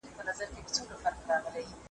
ما خو دي د پله خاوري رنجو لره ساتلي وې ,